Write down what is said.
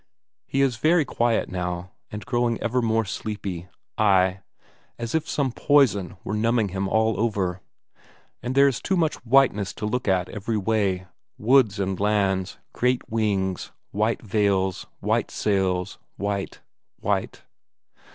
He is very quiet now, and growing ever more sleepy, ay, as if some poison were numbing him all over. And there is too much whiteness to look at every way; woods and lands, great wings, white veils, white sails; white, white